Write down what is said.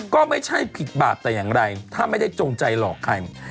ก็ไม่ใช่ผิดบาปแต่อย่างไรถ้าไม่ได้จงใจหลอกใคร